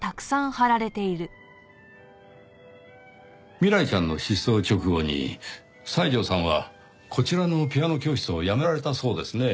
未来ちゃんの失踪直後に西條さんはこちらのピアノ教室をやめられたそうですねぇ。